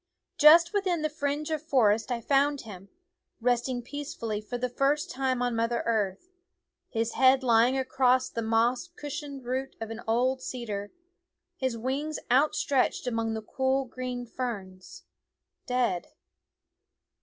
Just within the fringe of forest I found him, resting peacefully for the first time on mother earth, his head lying across the moss cushioned root of an old cedar, his wings outstretched among the cool green ferns dead.